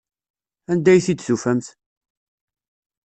Anda ay t-id-tufamt?